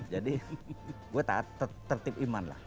jadi gue tertip iman lah